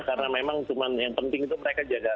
karena memang cuma yang penting itu mereka jaga